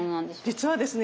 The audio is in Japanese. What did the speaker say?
実はですね